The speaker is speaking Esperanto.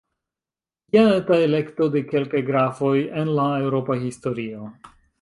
Jen eta elekto de kelkaj grafoj en la eŭropa historio.